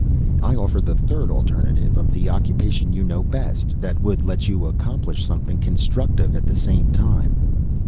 I offer the third alternative of the occupation you know best, that would let you accomplish something constructive at the same time.